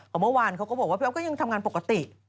เมื่อวานเขาก็บอกว่าพี่อ๊อฟก็ยังทำงานปกติ